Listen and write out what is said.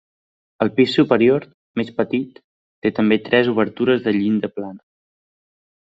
Al pis superior, més petit, té també tres obertures de llinda plana.